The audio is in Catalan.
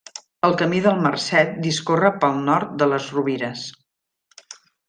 El Camí del Marcet discorre pel nord de les Rovires.